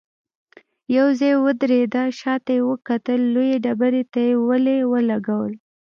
يو ځای ودرېده، شاته يې وکتل، لويې ډبرې ته يې ولي ولګول.